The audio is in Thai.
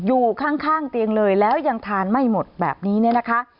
อยู่ข้างเตียงเลยแล้วยังทานไม่หมดแบบนี้เนี่ยนะคะ